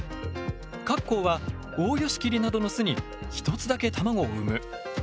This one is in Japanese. カッコウはオオヨシキリなどの巣に１つだけ卵を産む。